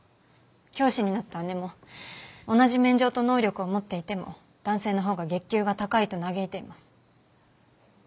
教師になった姉も同じ免状と能力を持っていても男性のほうが月給が高いと嘆いています。